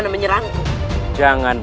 dia dipercaya bagiku sama dia